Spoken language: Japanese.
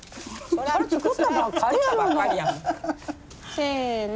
せの！